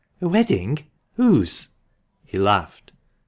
" A wedding ! Whose ?" He laughed.